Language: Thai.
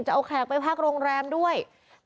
จะเอาแขกไปพักโรงแรมด้วย